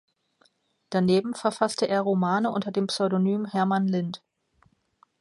Daneben verfasste er Romane unter dem Pseudonym Hermann Lint.